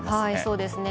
そうですね。